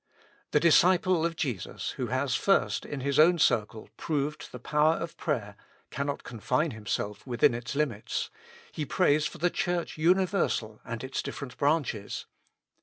The disciple of Jesus, who has first in his own cir cle proved the power of prayer, cannot confine him 222 With Christ in the School of Prayer. self within its limits ; he prays for the Church universal and its different branches.